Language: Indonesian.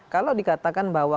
kalau dikatakan bahwa